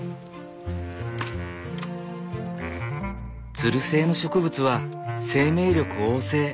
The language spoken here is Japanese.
ツル性の植物は生命力旺盛。